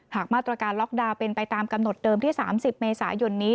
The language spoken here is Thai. หากมาตรการล็อกดาวน์เป็นไปตามกำหนดเดิมที่๓๐เมษายนนี้